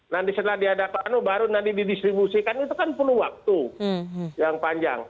nanti setelah diadakan baru nanti didistribusikan itu kan perlu waktu yang panjang